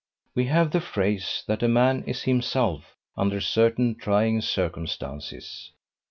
We have the phrase, that a man is himself under certain trying circumstances.